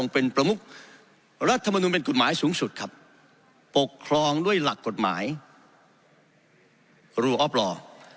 เป็นประมุกรัฐมนุนเป็นกฎหมายสูงสุดครับปกครองด้วยหลักกฎหมายครูออฟรอ